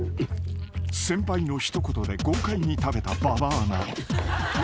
［先輩の一言で豪快に食べた馬場アナ］